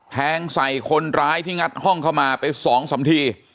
แทงใส่คนร้ายที่งัดห้องเข้ามาไป๒๓ที